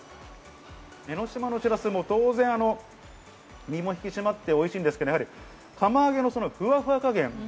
江の島のしらす、当然、身も引き締まっておいしいんですけど、釜揚げのふわふわ加減。